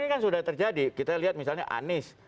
ini kan sudah terjadi kita lihat misalnya anies